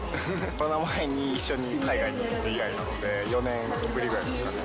コロナ前に一緒に海外に行った以来なので、４年ぶりぐらいですかね。